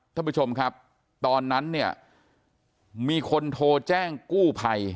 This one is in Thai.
ท่านผู้ชมครับตอนนั้นเนี่ยมีคนโทรแจ้งกู้ภัย